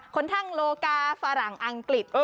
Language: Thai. ทั้งโลกาฝรั่งอังกฤษ